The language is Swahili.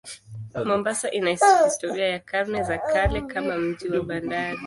Mombasa ina historia ya karne za kale kama mji wa bandari.